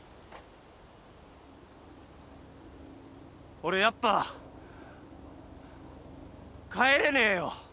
俺やっぱ帰れねえよ。